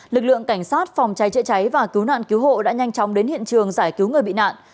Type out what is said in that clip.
lực lượng cảnh sát phòng cháy chữa cháy và cứu nạn cứu hộ đã nhanh chóng đến hiện trường giải cứu người bị nạn